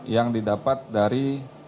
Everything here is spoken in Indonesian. yang didapat dari